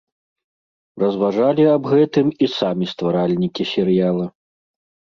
Разважалі аб гэтым і самі стваральнікі серыяла.